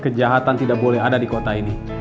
kejahatan tidak boleh ada di kota ini